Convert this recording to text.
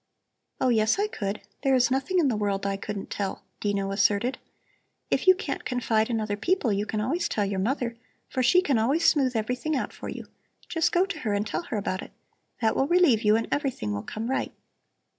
"Oh, yes, I could. There is nothing in the world I couldn't tell," Dino asserted. "If you can't confide in other people, you can always tell your mother, for she can always smooth everything out for you. Just go to her and tell her about it. That will relieve you and everything will come right."